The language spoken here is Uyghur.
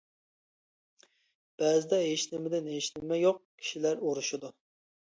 بەزىدە ھېچنېمىدىن ھېچنېمە يوق كىشىلەر ئۇرۇشىدۇ.